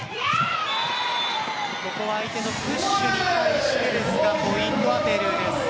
ここは相手のプッシュに対してですがポイントはペルーです。